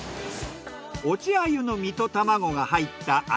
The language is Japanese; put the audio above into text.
落ち鮎の身と卵が入った鮎